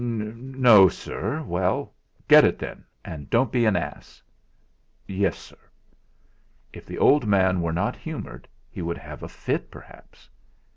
"No, Sir...." "Well, get it, then; and don't be an ass." "Yes, Sir." If the old man were not humoured he would have a fit, perhaps!